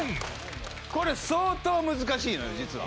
これ相当難しいのよ実は。